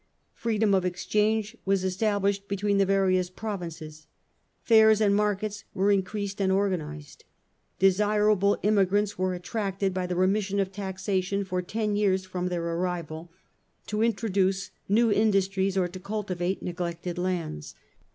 Freedom of exchange was established between the various Provinces. Fairs and markets were increased and organised. Desirable immi grants were attracted, by the remission of taxation for ten years from their arrival, to introduce new industries or to cultivate neglected lands.